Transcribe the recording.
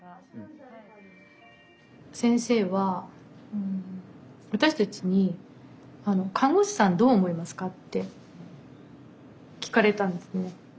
先生は私たちに「看護師さんどう思いますか？」って聞かれたんですね。